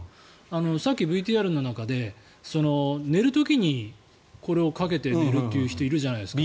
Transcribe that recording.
さっきＶＴＲの中で、寝る時にこれをかけて寝るという人がいるじゃないですか。